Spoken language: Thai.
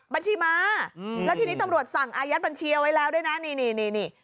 บัญชีม้าแล้วทีนี้ตำรวจสั่งอายัดบัญชีเอาไว้แล้วด้วยนะนี่นี่